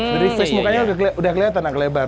face mukanya udah kelihatan agak lebar